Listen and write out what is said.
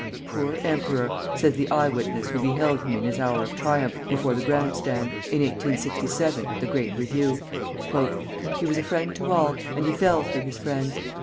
"Poor emperor!" says the eye witness who beheld him in his hour of triumph, before the grand stand, in 1867, at the great review. "He was a friend to all, and he fell through his friends.